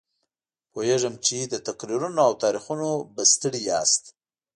پوهېږم چې له تقریرونو او تاریخونو به ستړي یاست.